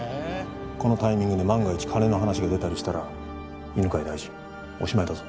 このタイミングで万が一金の話が出たりしたら犬飼大臣おしまいだぞ。